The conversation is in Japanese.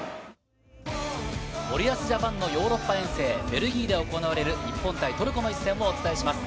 森保ＪＡＰＡＮのヨーロッパ遠征、ベルギーで行われる日本対トルコの一戦をお伝えします。